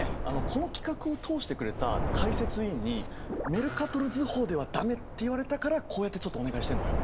この企画を通してくれた解説委員に「メルカトル図法ではダメ！」って言われたからこうやってちょっとお願いしてんのよ。